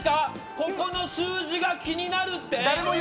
ここの数字が気になるって？